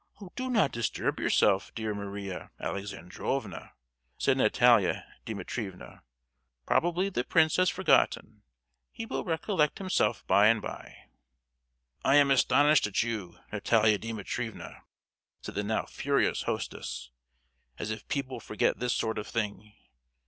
"Do not disturb yourself, dear Maria Alexandrovna," said Natalia Dimitrievna, "probably the prince has forgotten; he will recollect himself by and by." "I am astonished at you, Natalia Dimitrievna!" said the now furious hostess. "As if people forget this sort of thing!